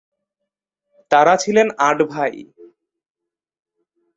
তারা ছিলেন আট ভাই।